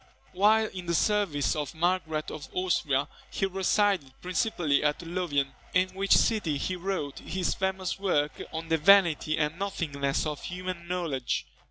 While in the service of Margaret of Austria, he resided principally at Louvain, in which city he wrote his famous work on the Vanity and Nothingness of Human Knowledge.